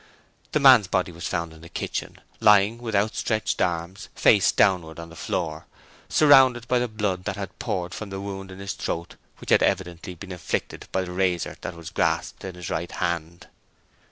The man's body was found in the kitchen, lying with outstretched arms face downwards on the floor, surrounded by the blood that had poured from the wound in his throat which had evidently been inflicted by the razor that was grasped in his right hand.